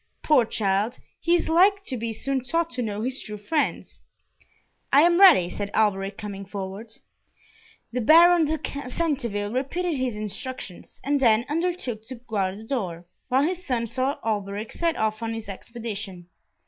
Poor child, he is like to be soon taught to know his true friends." "I am ready," said Alberic, coming forward. The Baron de Centeville repeated his instructions, and then undertook to guard the door, while his son saw Alberic set off on his expedition.